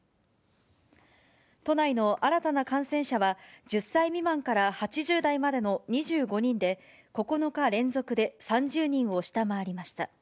都内の新たな感染者は、１０歳未満から８０代までの２５人で、９日連続で３０人を下回りました。